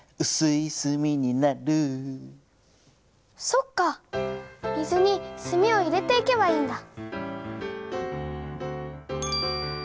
そっか水に墨を入れていけばいいんだ。